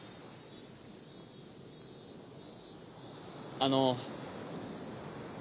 あの。